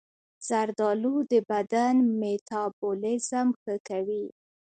زردآلو د بدن میتابولیزم ښه کوي.